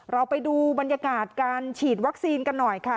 เราไปดูบรรยากาศการฉีดวัคซีนกันหน่อยค่ะ